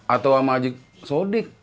atau sama aji sodik